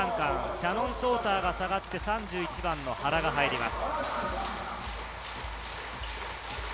シャノン・ショーターが下がって３１番の原が入ります。